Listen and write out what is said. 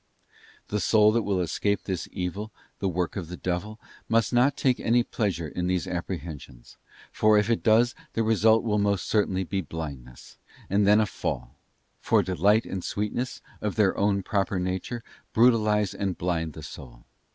The soul that will escape this evil, the work of the devil, Biinaness r .... used b must not take 'any pleasure in these apprehensions, for if it spiritual does the result will most certainly be blindness, and then a — fall; for delight and sweetness, of their own proper nature, brutalise and blind the soul.